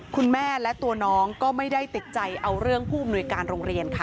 คุณแม่และตัวน้องก็ไม่ได้ติดใจเอาเรื่องผู้อำนวยการโรงเรียนค่ะ